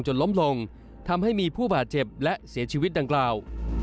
ล้มลงทำให้มีผู้บาดเจ็บและเสียชีวิตดังกล่าว